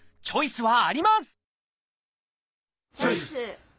チョイス！